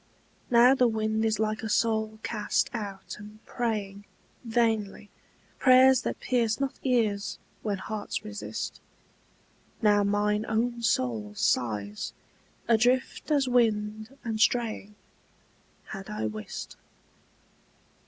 Now the wind is like a soul cast out and praying Vainly, prayers that pierce not ears when hearts resist: Now mine own soul sighs, adrift as wind and straying, 'Had I wist.